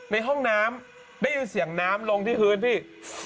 ในห้องน้ำได้ยินเสียงน้ำลงที่พื้นพี่